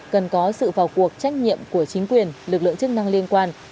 cần có sự vào cuộc trách nhiệm của chính quyền lực lượng chức năng liên quan